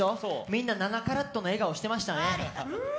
みんな７カラットの笑顔してましたね。